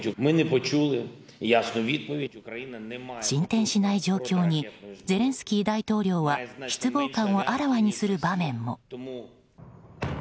進展しない状況にゼレンスキー大統領は失望感をあらわにする場面も。